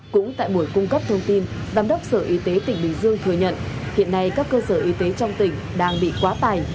cũng tại buổi cung cấp thông tin giám đốc sở y tế tỉnh bình dương thừa nhận hiện nay các cơ sở y tế trong tỉnh đang bị quá tài